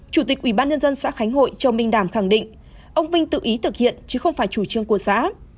chủ tịch ủy ban nhân dân xã khánh hội châu minh đàm khẳng định ông vinh tự ý thực hiện chứ không phải chủ trương của xã